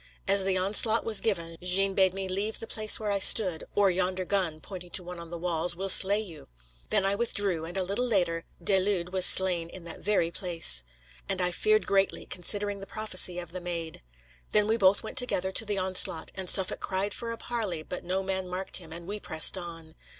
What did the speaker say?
As the onslaught was given, Jeanne bade me leave the place where I stood, 'or yonder gun' pointing to one on the walls, 'will slay you.' Then I withdrew, and a little later De Lude was slain in that very place. And I feared greatly, considering the prophecy of the Maid. Then we both went together to the onslaught; and Suffolk cried for a parley, but no man marked him, and we pressed on.